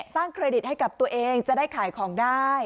เครดิตให้กับตัวเองจะได้ขายของได้